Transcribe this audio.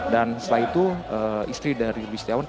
dan setelah itu istri dari rudy setiawan